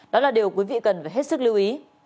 đó là điều quý vị cần phải hết sức lưu ý